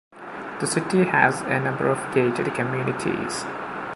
The city has a number of gated communities.